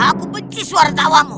aku benci suara tawamu